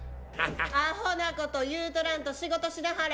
アホなこと言うとらんと仕事しなはれ。